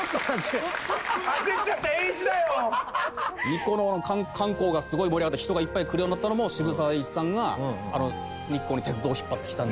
日光の観光がすごい盛り上がった人がいっぱい来るようになったのも渋沢栄一さんが日光に鉄道を引っ張ってきた。